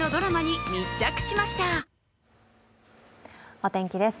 お天気です。